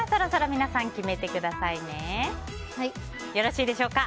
皆さんよろしいでしょうか。